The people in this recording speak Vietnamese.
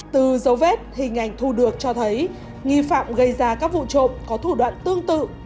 từ dấu vết hình ảnh thu được cho thấy nghi phạm gây ra các vụ trộm có thủ đoạn tương tự